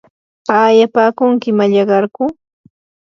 ¿aayapaakunki mallaqarku?